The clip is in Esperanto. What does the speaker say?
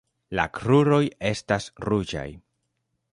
La kruroj estas ruĝaj.